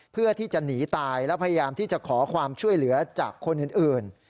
เพื่อที่จะหนีตายและพยายามที่จะขอความช่วยเหลือจากคนอื่น